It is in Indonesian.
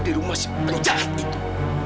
di rumah si penjahat itu